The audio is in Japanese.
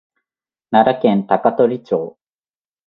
奈良県高取町